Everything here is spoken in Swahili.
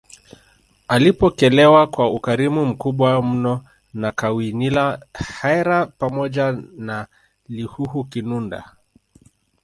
Alipokelewa kwa ukarimu mkubwa mno na Kawinila Hyera pamoja na Lihuhu Kinunda